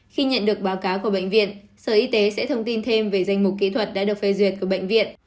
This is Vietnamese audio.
khi nhận được báo cáo của bệnh viện sở y tế sẽ thông tin thêm về danh mục kỹ thuật đã được phê duyệt của bệnh viện